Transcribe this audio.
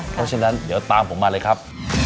เพราะฉะนั้นเดี๋ยวตามผมมาเลยครับ